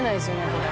これ。